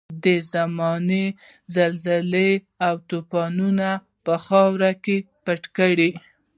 د زمانې زلزلو او توپانونو په خاورو کې پټ کړ.